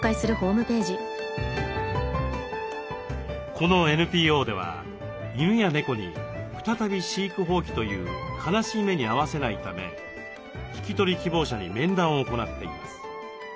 このＮＰＯでは犬や猫に再び飼育放棄という悲しい目に遭わせないため引き取り希望者に面談を行っています。